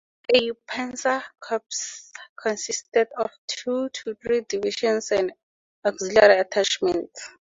A "panzer corps" consisted of two to three divisions and auxiliary attachments.